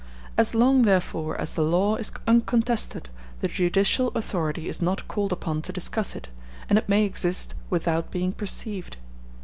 As long, therefore, as the law is uncontested, the judicial authority is not called upon to discuss it, and it may exist without being perceived.